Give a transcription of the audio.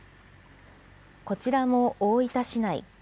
こちらも大分市内。